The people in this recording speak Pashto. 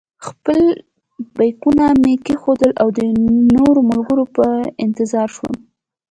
خپل بېکونه مې کېښودل او د نورو ملګرو په انتظار شوم.